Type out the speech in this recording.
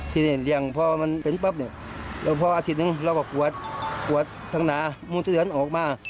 ที่นี่เลี้ยงเพราะว่ามันเป็นปั๊บเนี่ยแล้วพออาทิตย์นึงเราก็กวดทั้งหนาหมูนไส้เดือนออกมา